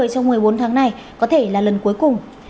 trong một mươi bốn tháng này có thể là lần cuối cùng